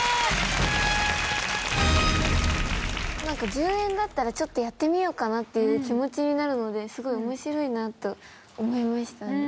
なんか１０円だったらちょっとやってみようかなっていう気持ちになるのですごい面白いなと思いました。